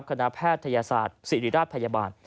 แพทยศาสตร์ศิริราชพยาบาล